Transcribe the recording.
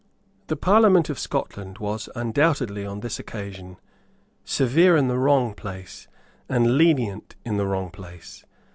The Parliament of Scotland was undoubtedly, on this occasion, severe in the wrong place and lenient in the wrong place.